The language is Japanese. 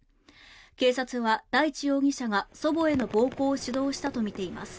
警察は大地容疑者が祖母への暴行を主導したとみています。